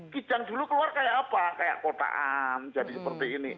kijang dulu keluar kayak apa kayak kotaan jadi seperti ini